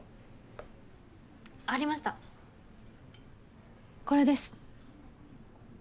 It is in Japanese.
ありましたこれです。